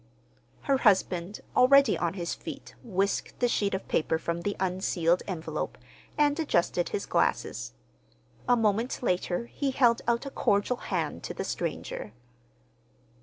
Her husband, already on his feet, whisked the sheet of paper from the unsealed envelope, and adjusted his glasses. A moment later he held out a cordial hand to the stranger.